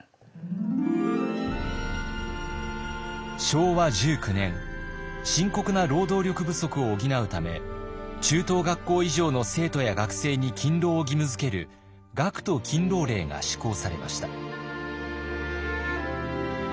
昭和１９年深刻な労働力不足を補うため中等学校以上の生徒や学生に勤労を義務づける学徒勤労令が施行されました。